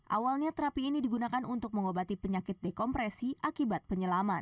awalnya terapi ini digunakan untuk mengobati penyakit dekompresi akibat penyelaman